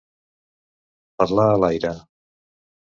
Parlar a l'aire.